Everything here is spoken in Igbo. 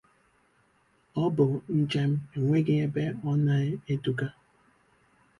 Ọ bụ njem enweghị ebe ọ na-eduga